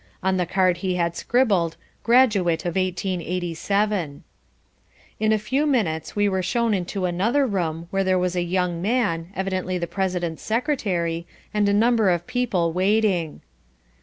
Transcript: On the card he had scribbled "Graduate of 1887." In a few minutes we were shown into another room where there was a young man, evidently the President's secretary, and a number of people waiting.